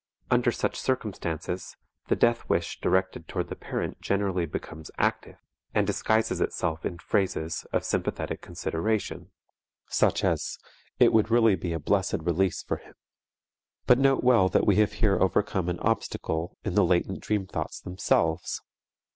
Under such circumstances, the death wish directed toward the parent generally becomes active, and disguises itself in phrases of sympathetic consideration such as, "It would really be a blessed release for him." But note well that we have here overcome an obstacle in the latent dream thoughts themselves.